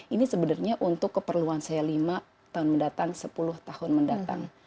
ini sebenarnya untuk keperluan saya lima tahun mendatang sepuluh tahun mendatang